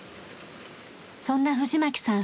そんな藤巻さん